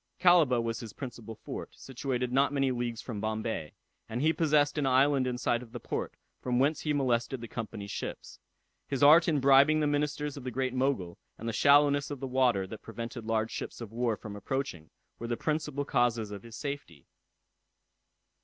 Calaba was his principal fort, situated not many leagues from Bombay, and he possessed an island in sight of the port, from whence he molested the Company's ships. His art in bribing the ministers of the Great Mogul, and the shallowness of the water, that prevented large ships of war from approaching, were the principal causes of his safety.